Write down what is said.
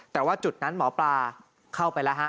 แต่ว่าจุดนั้นหมอปลาเข้าไปแล้วฮะ